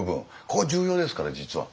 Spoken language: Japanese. ここ重要ですから実は。